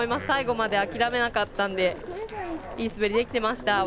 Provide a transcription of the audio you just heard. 最後まで諦めなかったんでいい滑りできてました。